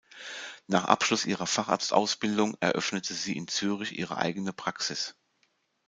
Nach Abschluss ihrer Facharztausbildung eröffnete sie in Zürich ihre eigene Praxis.